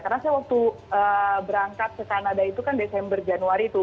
karena saya waktu berangkat ke kanada itu kan desember januari tuh